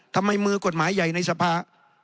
ทำไมมือกฎหมายใหญ่ในสภา